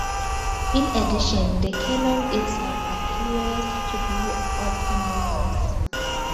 In addition, the cannon itself appears to be autonomous.